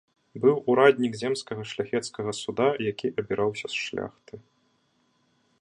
Быў ураднік земскага шляхецкага суда, які абіраўся з шляхты.